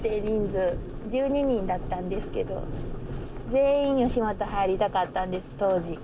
全員吉本入りたかったんです当時。